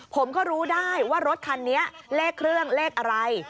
ผมก็รู้ได้ว่ารถคันนี้เลขเครื่องเลขอะไร